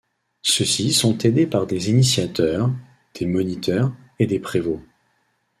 Ceux-ci sont aidés par des initiateurs, des moniteurs, et des prévôts.